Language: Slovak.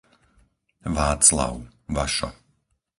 Václav, Vašo